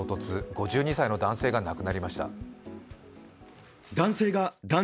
５２歳の男性が亡くなりました。